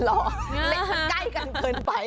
ปีและมันใกล้กันเกินไป